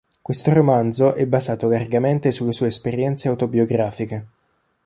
Questo romanzo è basato largamente sulle sue esperienze autobiografiche.